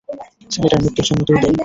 ছেলেটার মৃত্যুর জন্য তুই দায়ী!